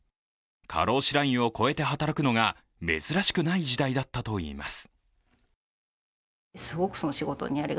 過労死ラインを超えて働くのが珍しくない時代だったといいます。